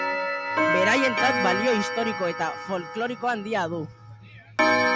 Beraientzat balio historiko eta folkloriko handia du.